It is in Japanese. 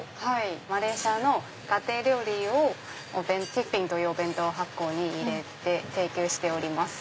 マレーシアの家庭料理をティフィンというお弁当箱に入れて提供してます。